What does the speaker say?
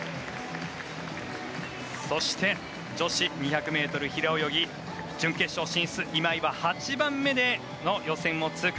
そして、女子２００ｍ平泳ぎ準決勝進出今井は８番目で予選を通過。